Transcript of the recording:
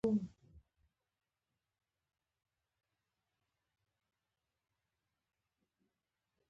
خر د سړي په کارونو کې ډیره مرسته کوله.